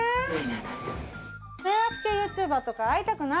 迷惑系ＹｏｕＴｕｂｅｒとか会いたくない。